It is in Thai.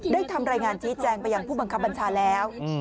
ทำรายงานชี้แจงไปยังผู้บังคับบัญชาแล้ว